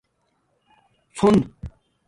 څُن